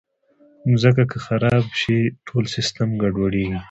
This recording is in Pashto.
مځکه که خراب شي، ټول سیسټم ګډوډېږي.